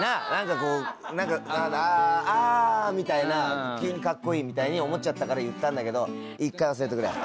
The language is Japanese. あみたいな急にカッコいいみたいに思っちゃったから言ったんだけど。